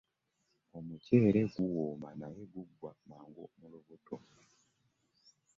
Omuceere guwooma naye guggwa mangu mu lubuto.